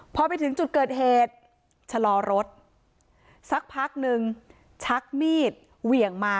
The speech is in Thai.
พอไปถึงจุดเกิดเหตุชะลอรถสักพักนึงชักมีดเหวี่ยงมา